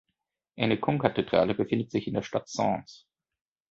Eine Konkathedrale befindet sich in der Stadt Saintes.